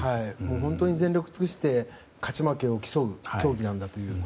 本当に全力を尽くして勝ち負けを競う競技なんだなと。